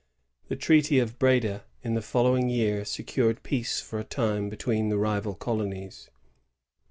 ^ The treaty of Br^da, in the following year, secured peace for a time between the rival colonies.